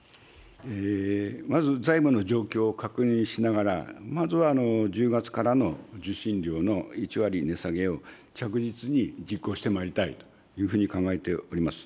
まず財務の状況を確認しながら、まずは１０月からの受信料の１割値下げを着実に実行してまいりたいというふうに考えております。